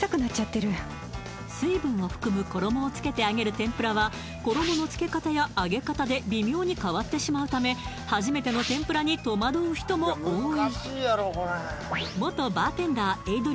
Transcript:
天ぷらは衣のつけ方や揚げ方で微妙に変わってしまうため初めての天ぷらに戸惑う人も多い